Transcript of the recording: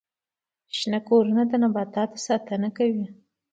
شنه کورونه د نباتاتو ساتنه کوي